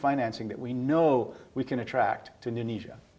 yang kita tahu bisa menarik ke indonesia